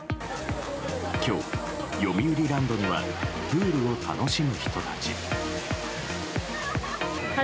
今日、よみうりランドにはプールを楽しむ人たち。